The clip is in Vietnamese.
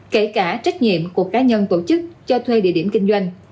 kể cả trách nhiệm của cá nhân tổ chức cho thuê địa điểm kinh doanh